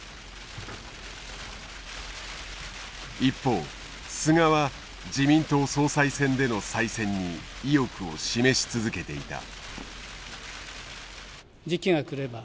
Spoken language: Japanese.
一方菅は自民党総裁選での再選に意欲を示し続けていた。